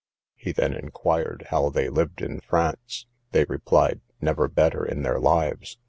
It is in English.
He then inquired how they lived in France? They replied, never better in their lives.